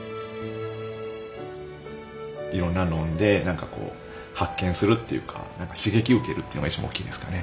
いろんな飲んで発見するっていうか何か刺激を受けるっていうのが一番おっきいですかね。